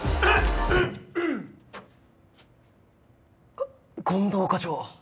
あっ近藤課長。